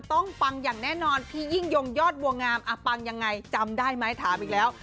ปังอย่างแน่นอนพี่ยิ่งยงยอดบัวงามปังยังไงจำได้ไหมถามอีกแล้ว